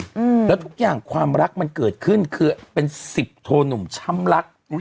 อืมแล้วทุกอย่างความรักมันเกิดขึ้นคือเป็นสิบโทหนุ่มช้ำรักอุ้ย